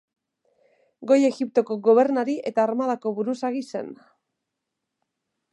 Goi Egiptoko gobernari eta armadako buruzagi zen.